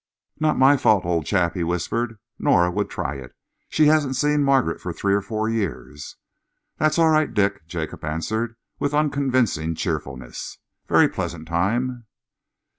"Not my fault, old chap," he whispered. "Nora would try it. She hadn't seen Margaret for three or four years." "That's all right, Dick," Jacob answered, with unconvincing cheerfulness. "Very pleasant time."